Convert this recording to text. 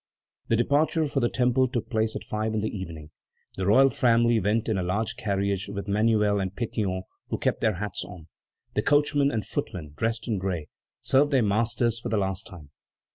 The departure for the Temple took place at five in the evening. The royal family went in a large carriage with Manuel and Pétion, who kept their hats on. The coachman and footmen, dressed in gray, served their masters for the last time.